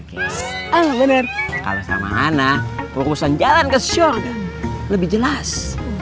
kalau sama mana perusahaan jalan ke syur lebih jelas